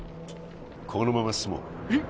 このまま進もうえっ？